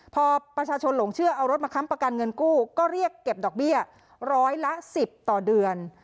พอประชาชนหลงเชื่อเอารถมาค้ำประกันเงินกู้ก็เรียกเก็บดอกเบี้ยร้อยละ๑๐ต่อเดือน